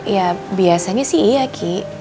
ya biasanya sih iya ki